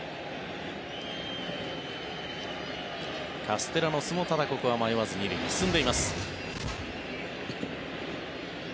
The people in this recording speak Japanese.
カステラノスもここは迷わず２塁に進んでいます。